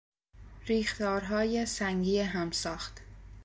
ریختارهای سنگی همساخت